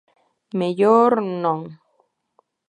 Mellor, non...